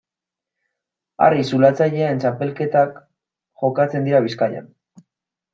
Harri-zulatzaileen txapelketak jokatzen dira Bizkaian.